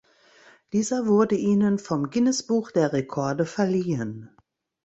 Dieser wurde ihnen vom Guinness-Buch der Rekorde verliehen.